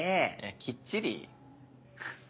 きっちり？